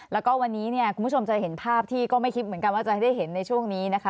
แล้วก็วันนี้เนี่ยคุณผู้ชมจะเห็นภาพที่ก็ไม่คิดเหมือนกันว่าจะให้ได้เห็นในช่วงนี้นะคะ